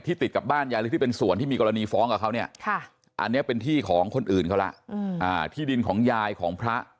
ที่ติดกับบ้านยายลึกที่เป็นสวนที่มีกรณีฟ้องกับเขาเนี่ยค่ะ